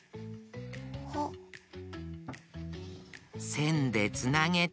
せんでつなげて。